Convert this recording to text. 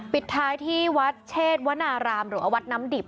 ปิดท้ายที่วัดเชษวนารามหรือวัดน้ำดิบ